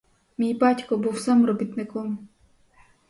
Мій батько був сам робітником!